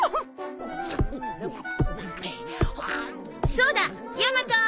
そうだヤマト！